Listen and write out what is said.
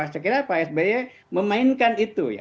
saya kira pak sby memainkan itu ya